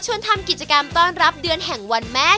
ทำกิจกรรมต้อนรับเดือนแห่งวันแม่